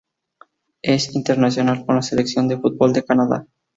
Es internacional con la selección de fútbol de Canadá.